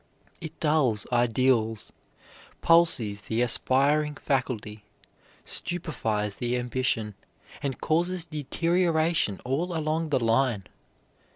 It dulls ideals, palsies the aspiring faculty, stupefies the ambition, and causes deterioration all along the line.